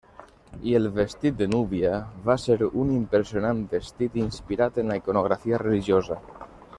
I el vestit de núvia va ser un impressionant vestit inspirat en la iconografia religiosa.